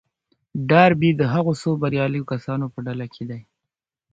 ډاربي د هغو څو برياليو کسانو په ډله کې دی.